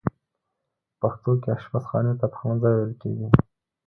په پښتو کې آشپز خانې ته پخلنځی ویل کیږی.